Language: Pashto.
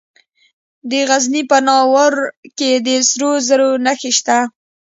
د غزني په ناوور کې د سرو زرو نښې شته.